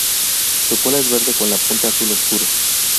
Su cola es verde con la punta azul oscuro.